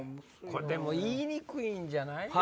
でも言いにくいんじゃない？